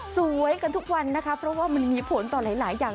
สวยกันทุกวันนะคะเพราะว่ามันมีผลต่อหลายอย่าง